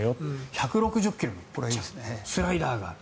１６０ｋｍに届くスライダーがある。